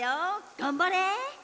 がんばれ！